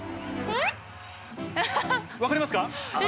わかりますか？